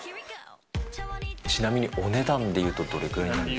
ちなみにお値段でいうとどれくらいなんですか？